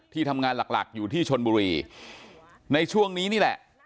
ทำงานหลักหลักอยู่ที่ชนบุรีในช่วงนี้นี่แหละ